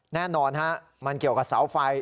แน่นอนฮะมันเกี่ยวกับเสาไฟ